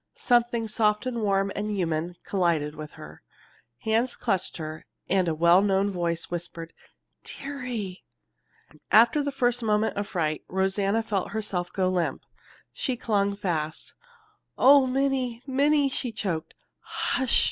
Something soft and warm and human collided with her. Hands clutched her, and a well known voice whispered, "Dearie!" After the first moment of fright, Rosanna felt herself go limp. She clung fast. "Oh, Minnie, Minnie!" she choked. "Hush!"